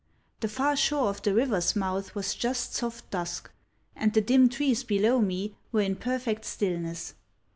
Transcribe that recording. The far shore of the river's mouth was just soft dusk; and the dim trees below me were in perfect stillness.